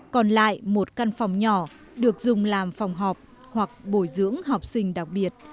còn lại một căn phòng nhỏ được dùng làm phòng họp hoặc bồi dưỡng học sinh đặc biệt